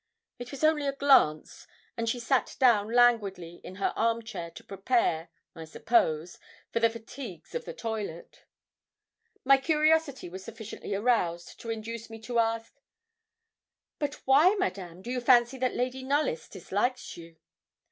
It was only a glance, and she sat down languidly in her arm chair to prepare, I suppose, for the fatigues of the toilet. My curiosity was sufficiently aroused to induce me to ask 'But why, Madame, do you fancy that Lady Knollys dislikes you?'